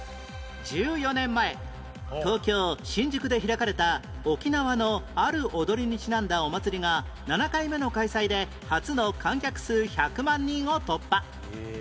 １４年前東京新宿で開かれた沖縄のある踊りにちなんだお祭りが７回目の開催で初の観客数１００万人を突破